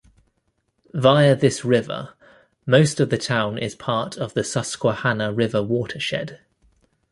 Via this river, most of the town is part of the Susquehanna River watershed.